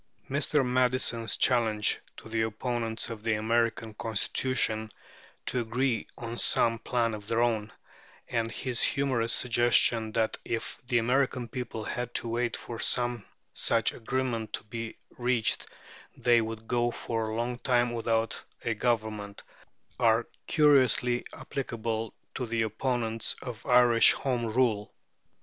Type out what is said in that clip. Mr. Madison's challenge to the opponents of the American Constitution to agree on some plan of their own, and his humorous suggestion that if the American people had to wait for some such agreement to be reached they would go for a long time without a government, are curiously applicable to the opponents of Irish Home Rule.